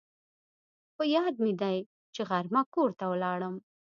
په یاد مې دي چې غرمه کور ته ولاړم